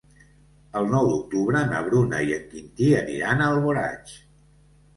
El nou d'octubre na Bruna i en Quintí aniran a Alboraig.